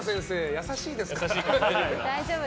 優しいですから。